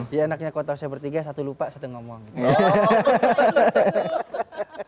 ya anaknya kuat tau saya bertiga satu lupa satu ngomong gitu